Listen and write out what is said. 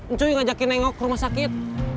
encuy ngajakin nengok ke rumah sakit